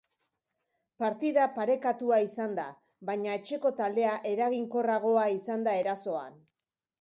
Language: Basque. Partida parekatua izan da, baina etxeko taldea eraginkorragoa izan da erasoan.